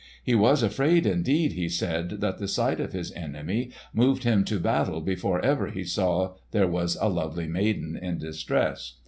He was afraid indeed, he said, that the sight of his enemy moved him to battle before ever he saw there was a lovely maiden in distress.